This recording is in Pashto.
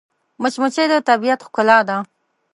مچمچۍ د طبیعت ښکلا ده